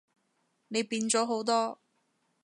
你變咗好多